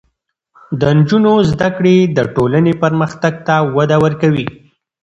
د نجونو زده کړې د ټولنې پرمختګ ته وده ورکوي.